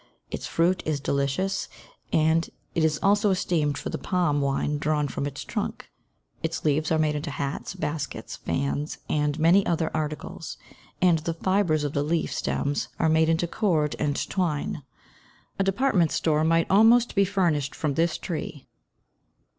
Its fruit is delicious and it is also esteemed for the palm wine drawn from its trunk. Its leaves are made into hats, baskets, fans, and many other articles, and the fibres of the leaf stems are made into cord and twine. A department store might almost be furnished from this tree.